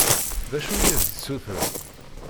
D acu i as-d-ssutren?